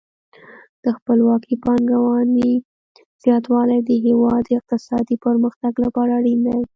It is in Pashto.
د خپلواکې پانګونې زیاتوالی د هیواد د اقتصادي پرمختګ لپاره اړین دی.